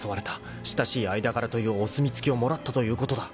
親しい間柄というお墨付きをもらったということだ